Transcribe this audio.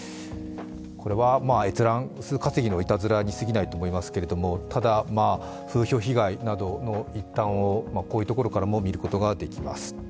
これは閲覧数稼ぎのいたずらにすぎないと思いますけれども、ただ、風評被害などの一端をこういうところからも見ることができます。